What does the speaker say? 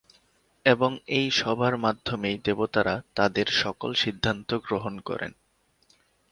এবং এই সভার মাধ্যমেই দেবতারা তাঁদের সকল সিদ্ধান্ত গ্রহণ করেন।